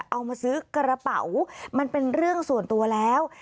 เอามาซื้อกระเป๋ามันเป็นเรื่องส่วนตัวแล้ว